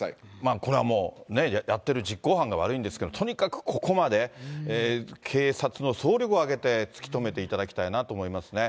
これはもう、やってる実行犯が悪いんですけど、とにかくここまで、警察の総力を挙げて突き止めていただきたいなと思いますね。